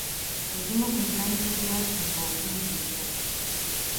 Egimu ku mizannyo egyasinga okunyumira